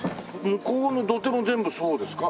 向こうの土手も全部そうですか？